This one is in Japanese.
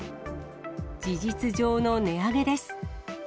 事実上の値上げです。